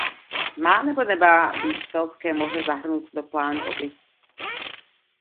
Má nebo nemá být Keltské moře zahrnuto do plánu obnovy?